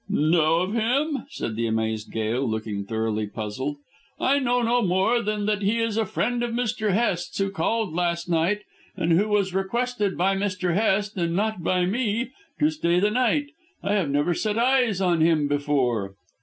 "Know of him?" said the amazed Gail, looking thoroughly puzzled. "I know no more than that he is a friend of Mr. Hest's who called last night and who was requested, by Mr. Hest and not by me, to stay the night. I have never set eyes on him before."